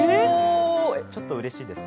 ちょっとうれしいです。